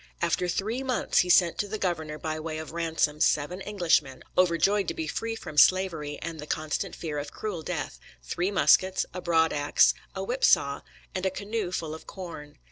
After three months he sent to the governor by way of ransom seven Englishmen, overjoyed to be free from slavery and the constant fear of cruel death, three muskets, a broadaxe, a whip saw, and a canoe full of corn.